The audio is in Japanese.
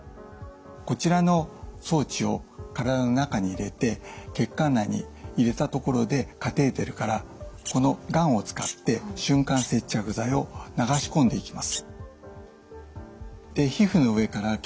こちらの装置を体の中に入れて血管内に入れたところでカテーテルからこのガンを使って瞬間接着剤を流し込んでいきます。